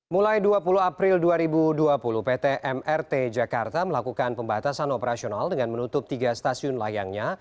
mulai dua puluh april dua ribu dua puluh pt mrt jakarta melakukan pembatasan operasional dengan menutup tiga stasiun layangnya